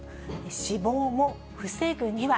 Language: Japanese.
死亡も、防ぐには？